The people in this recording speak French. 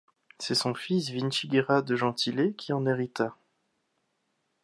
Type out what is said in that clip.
C'est son fils Vinciguerra De Gentile qui en hérita.